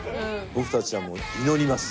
僕たちはもう祈ります。